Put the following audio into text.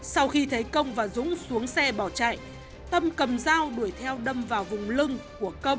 sau khi thấy công và dũng xuống xe bỏ chạy tâm cầm dao đuổi theo đâm vào vùng lưng của công